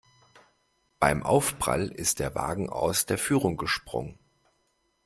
Beim Aufprall ist der Wagen aus der Führung gesprungen.